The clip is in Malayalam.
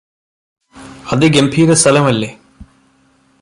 അതിഗംഭീര സ്ഥലം അല്ലേ